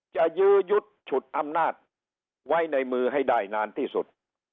ยื้อยุดฉุดอำนาจไว้ในมือให้ได้นานที่สุด